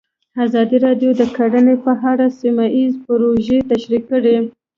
ازادي راډیو د کرهنه په اړه سیمه ییزې پروژې تشریح کړې.